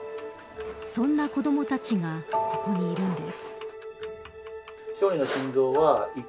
そんな子どもたちがここにいるんです。